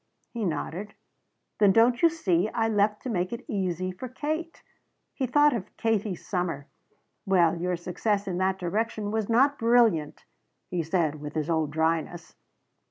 He nodded. "Then don't you see? I left to make it easy for Katie." He thought of Katie's summer. "Well your success in that direction was not brilliant," he said with his old dryness.